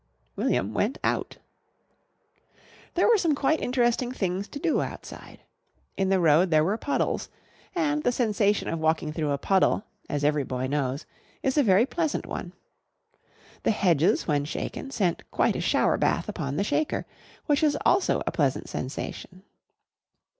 William went out. There were some quite interesting things to do outside. In the road there were puddles, and the sensation of walking through a puddle, as every boy knows, is a very pleasant one. The hedges, when shaken, sent quite a shower bath upon the shaker, which also is a pleasant sensation.